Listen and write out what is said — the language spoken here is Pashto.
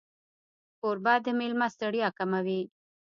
کوربه د مېلمه ستړیا کموي.